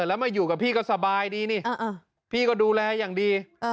แล้วมาอยู่กับพี่ก็สบายดีนี่พี่ก็ดูแลอย่างดี